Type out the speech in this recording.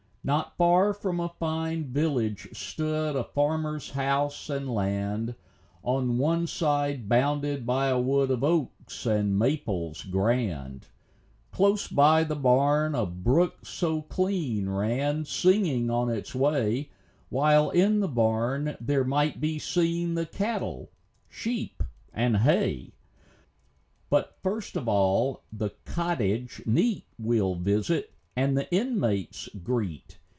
Not far from a fine village stood A farmer's house and land, On one side bounded by a wood Of oaks and maples grand. Close by the barn, a brook so clean Ran, singing on its way, While, in the barn, there might be seen The cattle, sheep, and hay. 12 THE LIFE AND ADVENTURES But, first of all, the cottage neat We'll visit, and the inmates greet.